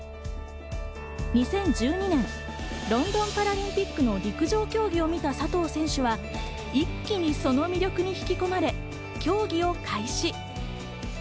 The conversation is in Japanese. ２０１２年ロンドンパラリンピックの陸上競技を見た佐藤選手は一気にその魅力に引き込まれ、競技を開始。